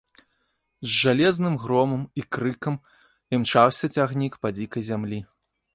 З жалезным громам і крыкам імчаўся цягнік па дзікай зямлі.